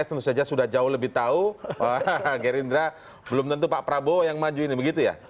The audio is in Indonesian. tentu saja sudah jauh lebih tahu gerindra belum tentu pak prabowo yang maju ini begitu ya